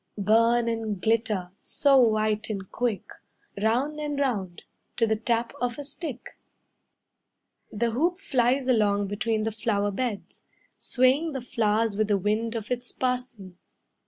Burn and glitter, so white and quick, Round and round, to the tap of a stick." The hoop flies along between the flower beds, Swaying the flowers with the wind of its passing.